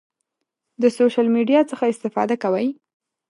د سوشل میډیا څخه استفاده کوئ؟